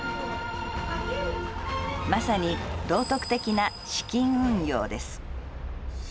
まさに道徳的な資金運用です。